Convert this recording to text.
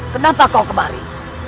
kenapa kau kemari